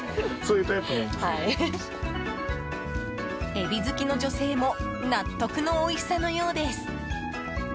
エビ好きの女性も納得のおいしさのようです。